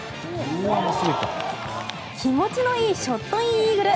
気持ちのいいショットインイーグル。